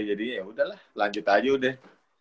jadi yaudah lah lanjut aja udah